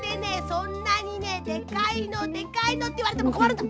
そんなにねでかいのでかいのっていわれてもこまるんだ！